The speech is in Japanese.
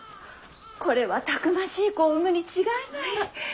これはたくましい子を産むに違いない！